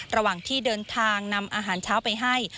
ระหว่างที่เดินทางนำอาหารเช้าไปให้